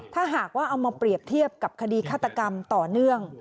ถ้าหากว่าเอามาเปรียบเทียบกับคดีฆาตกรรมต่อเนื่อง